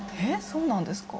そうなんですか？